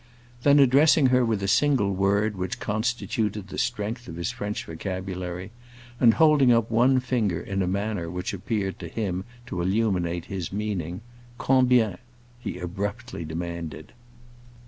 Then, addressing her with the single word which constituted the strength of his French vocabulary, and holding up one finger in a manner which appeared to him to illuminate his meaning, "Combien?" he abruptly demanded.